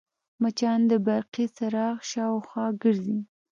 مچان د برقي څراغ شاوخوا ګرځي